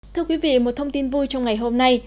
thưa quý vị một thông tin vui trong ngày hôm nay